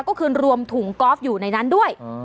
ก็คือรวมถุงกอล์ฟอยู่ในนั้นด้วย